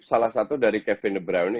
salah satu dari kevin de bruyne